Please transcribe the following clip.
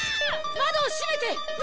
窓を閉めて！